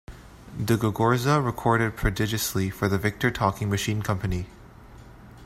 De Gogorza recorded prodigiously for the Victor Talking Machine Company.